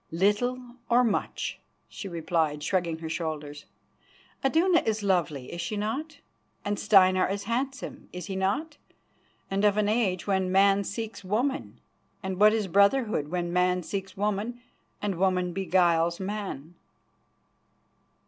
"Little or much," she replied, shrugging her shoulders. "Iduna is lovely, is she not, and Steinar is handsome, is he not, and of an age when man seeks woman, and what is brotherhood when man seeks woman and woman beguiles man?"